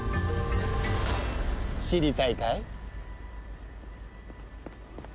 知りたいかい？